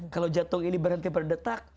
kalau jantung ini berhenti berdetak